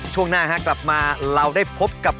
ช่วงหน้ากลับมาเราได้พบกับ